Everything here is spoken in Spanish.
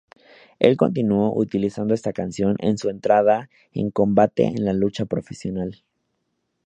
Él continuó utilizando esta canción en su entrada en combate en la lucha profesional.